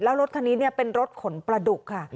แล้วรถคันนี้เป็นรถขนปลาดุกค่ะ